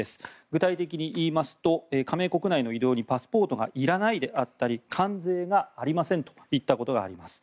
具体的にいいますと加盟国内の移動にパスポートがいらないであったり関税がありませんといったことがあります。